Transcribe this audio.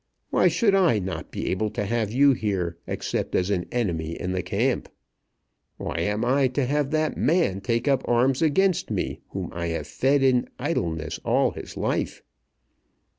Why should I not be able to have you here, except as an enemy in the camp? Why am I to have that man take up arms against me, whom I have fed in idleness all his life?"